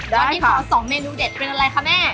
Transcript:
วันนี้ขอ๒เมนูเด็ดเป็นอะไรคะแม่